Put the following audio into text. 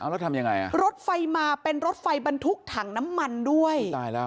รถไฟมาเป็นรถไฟบรรทุกถังน้ำมันด้วย